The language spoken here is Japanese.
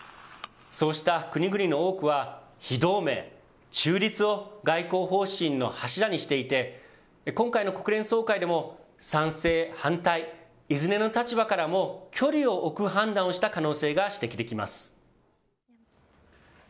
そうした国々の多くは、非同盟、中立を外交方針の柱にしていて、今回の国連総会でも、賛成・反対、いずれの立場からも距離を置く判断をした可能性が指摘できます。